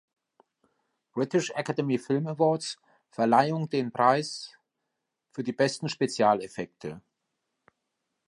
British Academy Film Awards Verleihung den Preis für die besten Spezialeffekte.